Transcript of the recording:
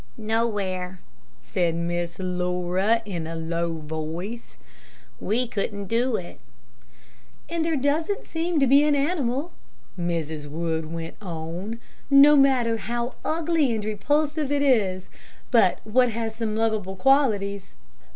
"Nowhere," said Miss Laura, in a low voice; "we couldn't do it." "And there doesn't seem to be an animal," Mrs. Wood went on, "no matter how ugly and repulsive it is, but what has some lovable qualities.